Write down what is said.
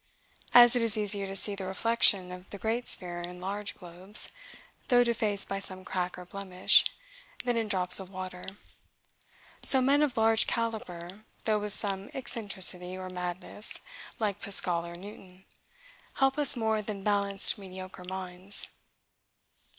As it is easier to see the reflection of the great sphere in large globes, though defaced by some crack or blemish, than in drops of water, so men of large calibre, though with some eccentricity or madness, like Pascal or Newton, help us more than balanced mediocre minds.